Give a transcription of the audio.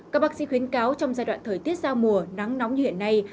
các bác sĩ khuyến cáo trong giai đoạn thời tiết giao mùa nắng nóng như hiện nay